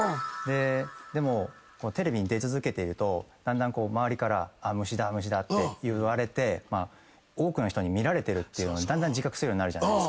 でもテレビに出続けているとだんだん周りから「むしだむしだ」っていわれて多くの人に見られてるってだんだん自覚するようになるじゃないですか。